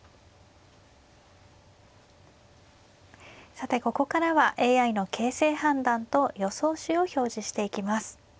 さてここからはＡＩの形勢判断と予想手を表示していきます。